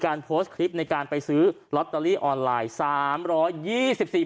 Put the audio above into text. การโพสต์ทริปในการไปซื้อล็อตเตอรี่ออนไลน์สามร้อยยี่สิบสี่